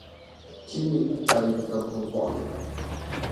Chi ni ti pali kaburi bɔɣa ni.